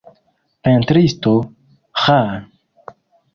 Pentristo, ĥa!..